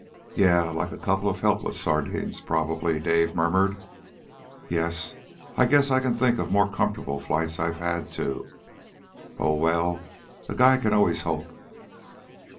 "Yeah, like a couple of helpless sardines, probably," Dave murmured. "Yes, I guess I can think of more comfortable flights I've had, too. Oh, well, a guy can always hope."